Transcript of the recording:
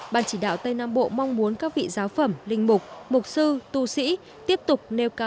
ban chỉ đạo tây nam bộ mong muốn các vị giáo phẩm linh mục mục sư tu sĩ tiếp tục nêu cao